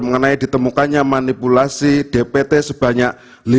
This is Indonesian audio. mengenai ditemukannya manipulasi dpt sebanyak lima ratus dua